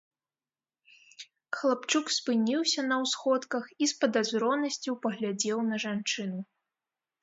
Хлапчук спыніўся на ўсходках і з падазронасцю паглядзеў на жанчыну.